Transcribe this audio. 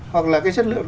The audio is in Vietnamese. hoặc là cái chất lượng